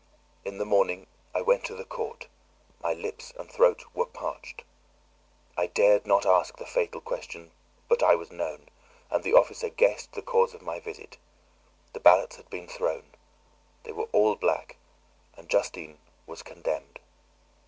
In the morning I went to the court; my lips and throat were parched. I dared not ask the fatal question, but I was known, and the officer guessed the cause of my visit. The ballots had been thrown; they were all black, and Justine was condemned.